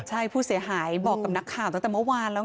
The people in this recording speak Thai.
ใช่ผู้เสียหายบอกกับนักข่าวตั้งแต่เมื่อวานแล้ว